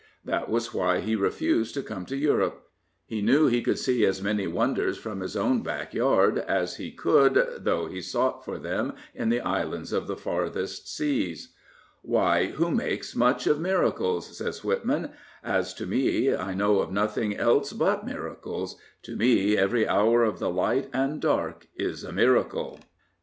That was why he refused to come to Europe. He knew he could see as many wonders from his own backyard as he could though he sought for them in the islands of the farthest seas. " Why, who makes much of miracles? " says Whitman. As to me, 1 know of nothing else but miracles ... To me every hour of the light and dark is a miracle. 333 Prophets, Priests, and l^pgs..